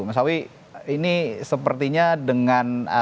mas sawi ini sepertinya dengan